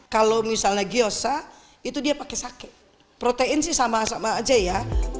kalau misalnya gyosa itu dia pakai sakit protein sih sama sama aja ya